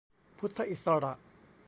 พุทธอิสระ